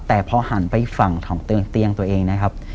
แต่พอหันไปอีกฝั่งของเตียงตัวเองนะครับ